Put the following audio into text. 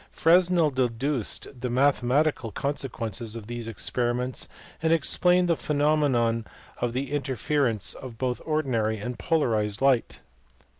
Fresnel deduced the mathematical consequences of these ex periments, and explained the phenomena of interference both of ordinary and polarized light.